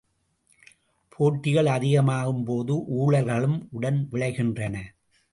போட்டிகள் அதிகமாகும் போது ஊழல்களும் உடன் விளைகின்றன.